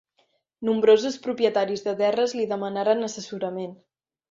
Nombrosos propietaris de terres li demanaren assessorament.